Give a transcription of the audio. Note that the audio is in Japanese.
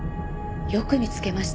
よく見つけました。